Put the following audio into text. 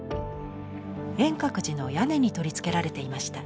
円覚寺の屋根に取り付けられていました。